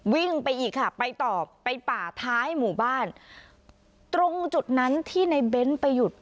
วิ่งไปอีกค่ะไปต่อไปป่าท้ายหมู่บ้านตรงจุดนั้นที่ในเบ้นไปหยุด